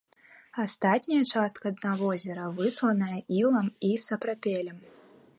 Астатняя частка дна возера высланая ілам і сапрапелем.